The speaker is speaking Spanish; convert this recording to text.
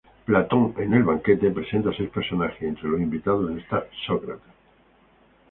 Platón en "El banquete" presenta a seis personajes, y entre los invitados está Sócrates.